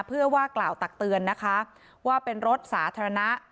เพื่อว่ากล่าวตักเตือนนะคะว่าเป็นรถสาธารณะ